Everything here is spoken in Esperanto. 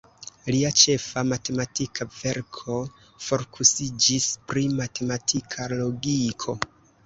Lia ĉefa matematika verko fokusiĝis pri matematika logiko.